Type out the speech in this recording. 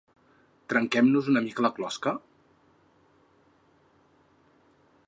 Trenquem-nos una mica la closca?